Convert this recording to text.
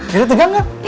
jadi tegang gak